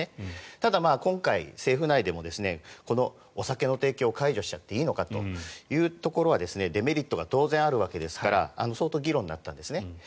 ただ、今回、政府内でもお酒の提供を解除しちゃっていいのかというところはデメリットが当然、あるわけですから相当議論になったんですね。